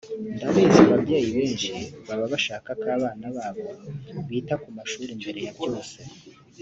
“Ndabizi ababyeyi benshi baba bashaka ko abana babo bita ku mashuri mbere ya byose